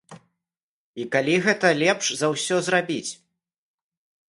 І калі гэта лепш за ўсё зрабіць?